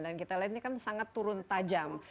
dan kita lihat ini kan sangat turun tajam